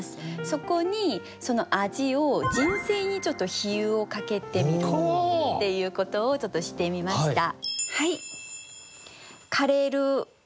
そこにその味を人生に比喩をかけてみるっていうことをちょっとしてみました。